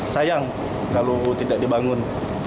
sayang kalau tidak dibangun